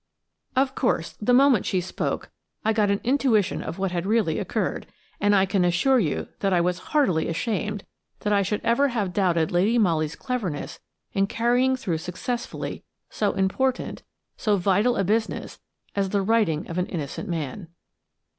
Of course, the moment she spoke I got an intuition of what had really occurred, and I can assure you that I was heartily ashamed that I should ever have doubted Lady Molly's cleverness in carrying through successfully so important, so vital a business as the righting of an innocent man.